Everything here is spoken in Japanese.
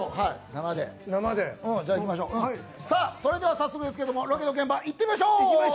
それでは早速ですけれども、ロケの現場行ってみましょう。